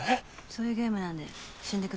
そういうゲームなんで。